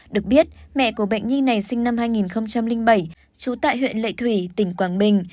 được biết mẹ của bệnh nhi này sinh năm hai nghìn bảy trú tại huyện lệ thủy tỉnh quảng bình